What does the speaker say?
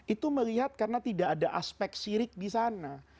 itu melihat karena tidak ada aspek sirik di sana